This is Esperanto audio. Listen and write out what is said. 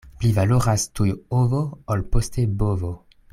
Pli valoras tuj ovo, ol poste bovo.